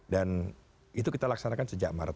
dan itu kita laksanakan sejak maret